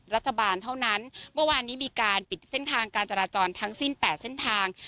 รัฐบาลเท่านั้นเมื่อวานนี้มีการปิดเส้นทางการจราจรทั้งสิ้น๘เส้นทาง